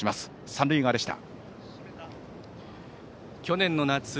三塁側でした。